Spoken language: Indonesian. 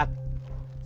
ini udah berangkat